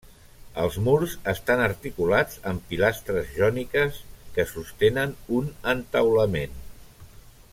Els murs estan articulats amb pilastres jòniques que sostenen un entaulament.